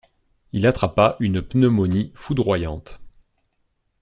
Il attrapa une pneumonie foudroyante.